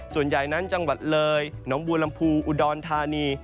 ส่วนใหญ่นั้นจังหวัดเลยหนองบัวลำพูอุดรธานี